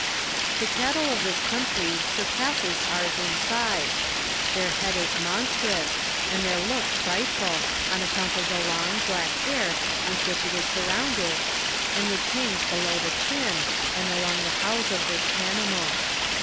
The cattle of this country surpass ours in size ; their head is monstrous, and their look frightful, on account of the long, black hair with which it is surrounded, and which hangs be low the chin, and along the houghs of this animal.